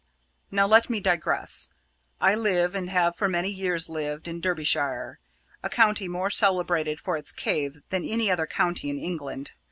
"Now let me digress. I live, and have for many years lived, in Derbyshire, a county more celebrated for its caves than any other county in England.